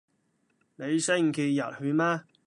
你星期日去嗎？